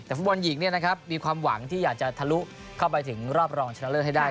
แต่ฟุตบอลหญิงมีความหวังที่อยากจะทะลุเข้าไปถึงรอบรองชนะเลิศให้ได้